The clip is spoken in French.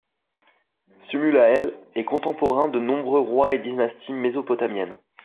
Sumu-la-El est contemporain de nombreux rois et dynasties mésopotamiennes.